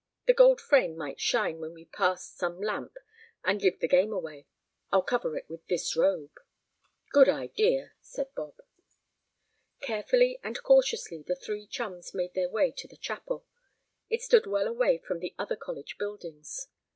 The gold frame might shine when we passed some lamp and give the game away. I'll cover it with this robe." "Good idea," said Bob. Carefully and cautiously the three chums made their way to the chapel. It stood well away from the other college buildings.